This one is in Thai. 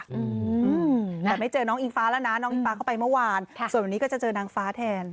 อืมแต่ไม่เจอน้องอิงฟ้าแล้วนะน้องอิงฟ้าเข้าไปเมื่อวานค่ะส่วนวันนี้ก็จะเจอนางฟ้าแทน